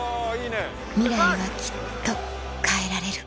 ミライはきっと変えられる